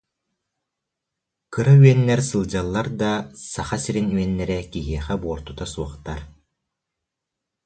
Кыра үөннэр сылдьаллар да, Саха сирин үөннэрэ киһиэхэ буортута суохтар